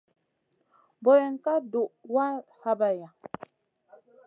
Boyen ka duh wa habayna.